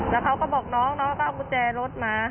แล้วเขาก็บอกน้องน้องก็เอากุญแจรถมา